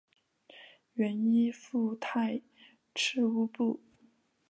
原依附泰赤乌部。